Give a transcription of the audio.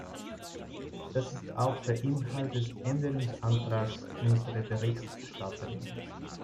Das ist auch der Inhalt des Änderungsantrags unserer Berichterstatterin.